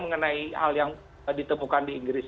mengenai hal yang ditemukan di inggris